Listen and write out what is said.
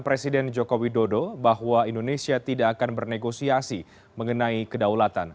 presiden joko widodo bahwa indonesia tidak akan bernegosiasi mengenai kedaulatan